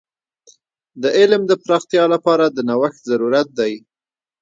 د علم د پراختیا لپاره د نوښت ضرورت دی.